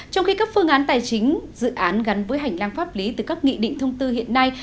trong khi các phương án tài chính dự án gắn với hành lang pháp lý từ các nghị định thông tư hiện nay